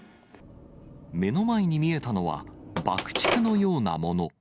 目の前に見えたのは、爆竹のようなもの。